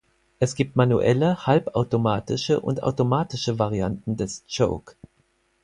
Es gibt manuelle, halbautomatische und automatische Varianten des Choke.